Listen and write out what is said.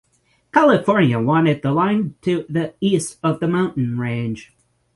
California wanted the line to the east of the mountain range.